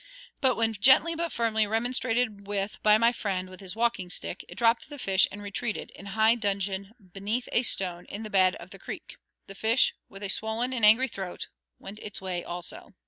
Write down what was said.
But, when gently but firmly remonstrated with by my friend with his walking stick, it dropped the fish and retreated in high dudgeon beneath a stone in the bed of the creek. The fish, with a swollen and angry throat, went its way also.